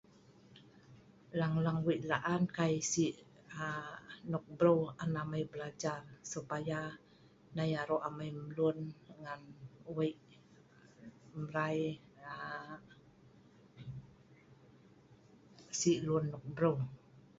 Lang lang Wei laan.kai Si anok breu on amai belajar.supaya arok amai mlun Si lun nok breu